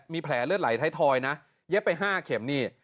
มีแผลเลือดไหลไทยทอยนะเย็บไป๕เข็มนี่